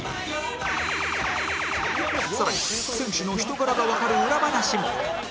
更に選手の人柄がわかる裏話も